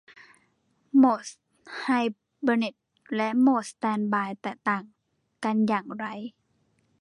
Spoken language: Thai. โหมดไฮเบอร์เนตและโหมดสแตนด์บายแตกต่างกันอย่างไร